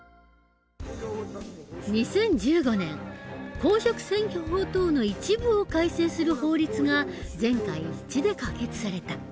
２０１５年公職選挙法等の一部を改正する法律が全会一致で可決された。